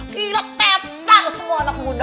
gila tetap semua anak muda